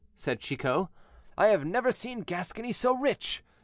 said Chicot; "I have never seen Gascony so rich.